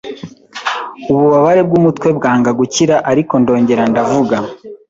ububabare bw’umutwe bwanga gukira ariko ndongera ndavuga,